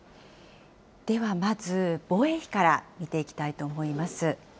ではまず、防衛費から見ていきたいと思います。